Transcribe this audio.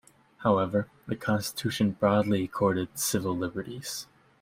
However, the Constitution broadly accorded civil liberties.